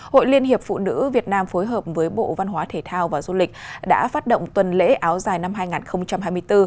hội liên hiệp phụ nữ việt nam phối hợp với bộ văn hóa thể thao và du lịch đã phát động tuần lễ áo dài năm hai nghìn hai mươi bốn